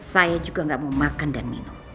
saya juga nggak mau makan dan minum